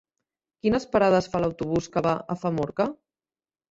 Quines parades fa l'autobús que va a Famorca?